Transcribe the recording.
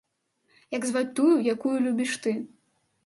Як зваць тую, якую любіш ты?